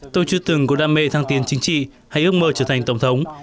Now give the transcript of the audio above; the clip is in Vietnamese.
tôi chưa từng có đam mê thăng tiến chính trị hay ước mơ trở thành tổng thống